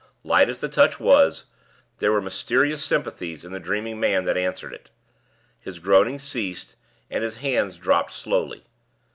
Light as the touch was, there were mysterious sympathies in the dreaming man that answered it. His groaning ceased, and his hands dropped slowly.